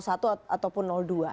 satu ataupun dua